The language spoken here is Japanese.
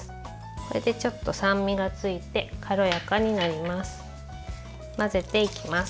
これでちょっと酸味がついて軽やかになります。